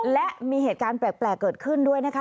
และมีเหตุการณ์แปลกเกิดขึ้นด้วยนะคะ